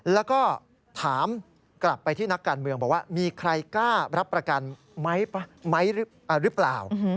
แล้วก็ถามกลับไปที่นักการเมืองบอกว่ามีใครกล้ารับประกันไหมหรือเปล่า